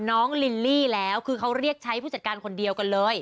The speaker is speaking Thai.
ลิลลี่แล้วคือเขาเรียกใช้ผู้จัดการคนเดียวกันเลย